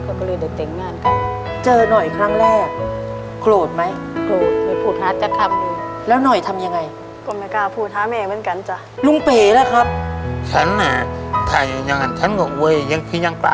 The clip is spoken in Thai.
เคยขอโทษขอโพยแม่เป็นจริงเป็นจังหรือยัง